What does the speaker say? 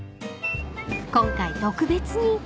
［今回特別に］